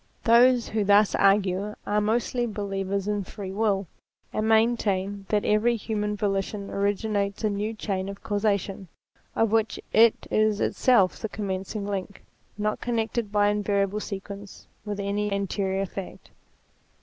Those who thus argue are mostly believers in Free Will, and maintain that every human volition ori ginates a new chain of causation, of which it is itself the commencing link, not connected by invariable sequence with any anterior fact.